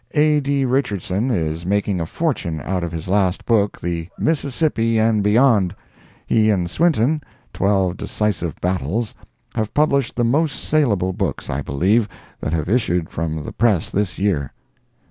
A. D. Richardson is making a fortune out of his last book, "The Mississippi and Beyond." He and Swinton ("Twelve Decisive Battles.") have published the most saleable books, I believe, that have issued from the press this year.